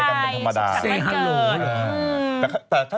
ก็ต้องพักทายกันเป็นธรรมดา